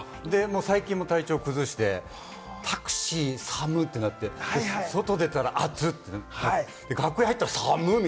最近も崩して、タクシーも寒くなって外でたら暑！ってなって、楽屋入ったら寒っ！